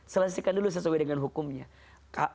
selesaikan dulu sesuai dengan hukumnya